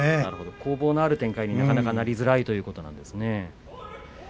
攻防のある展開になりづらいというところですね。